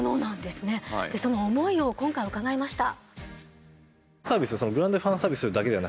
その思いを今回伺いました。